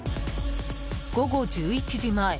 午後１１時前。